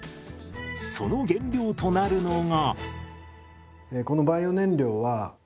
その原料となるのが。